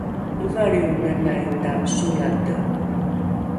ivalrionganai tasolate